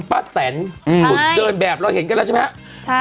ป๋าแตนหลุดเดินแบบเราเห็นกันแล้วใช่ไหมษ